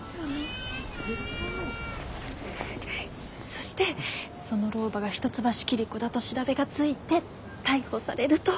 そしてその老婆が一橋桐子だと調べがついて逮捕されると。